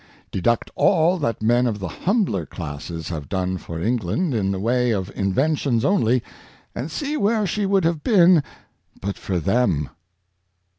*' Deduct all that men of the humbler classes have done for England in the way of inventions only, and see where she would have been but for them."